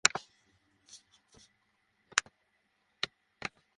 যুক্তরাষ্ট্রের বাংলাদেশি প্রবাসীবহুল অঙ্গরাজ্যগুলোতে ঈদের আমেজ শুরু হয়েছে বেশ আগে থেকেই।